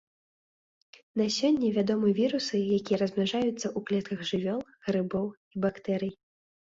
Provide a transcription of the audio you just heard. На сёння вядомы вірусы, якія размнажаюцца ў клетках жывёл, грыбоў і бактэрый.